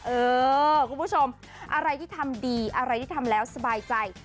เออคุณผู้ชมอะไรที่ทำดีอะไรที่ทำแล้วสบายใจ